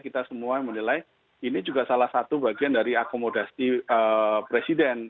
kita semua menilai ini juga salah satu bagian dari akomodasi presiden